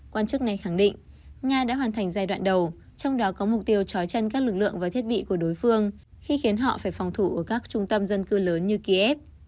quan chức này khẳng định nga đã hoàn thành giai đoạn đầu trong đó có mục tiêu trói chân các lực lượng và thiết bị của đối phương khi khiến họ phải phòng thủ ở các trung tâm dân cư lớn như kiev